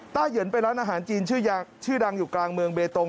เหยินไปร้านอาหารจีนชื่อดังอยู่กลางเมืองเบตง